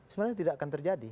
sebenarnya tidak akan terjadi